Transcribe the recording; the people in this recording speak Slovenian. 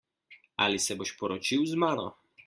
Ali se boš poročil z mano?